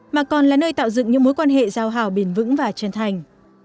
mà còn là nơi tạo dựng những mối quan hệ giao hảo bền vững và chân thành